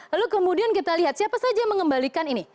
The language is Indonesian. lalu kemudian kita lihat siapa saja yang mengembalikan ini